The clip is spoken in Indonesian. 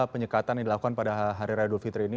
penyekatan yang dilakukan pada hari raya dut fitri ini